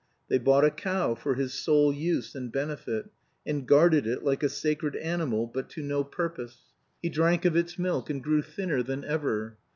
They bought a cow for his sole use and benefit, and guarded it like a sacred animal but to no purpose. He drank of its milk and grew thinner than ever.